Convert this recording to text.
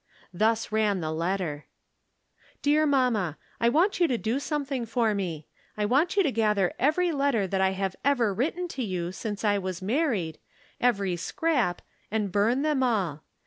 Thus ran the letter : Dear Mamma : I want' you to do something for me. I want you to gather every letter that I have ever writ ten to you since I was married, every scrap, and burn them all.